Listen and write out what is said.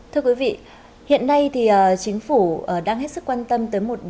thưa quý vị hiện nay thì chính phủ đang hết sức quan tâm tới một đề án đó